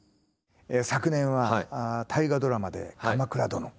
昨年は大河ドラマで「鎌倉殿」。